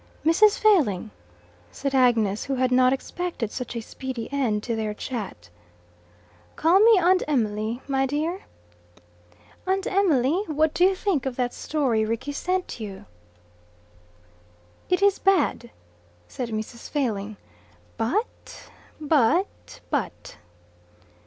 "Mrs. Failing " said Agnes, who had not expected such a speedy end to their chat. "Call me Aunt Emily. My dear?" "Aunt Emily, what did you think of that story Rickie sent you?" "It is bad," said Mrs. Failing. "But. But. But."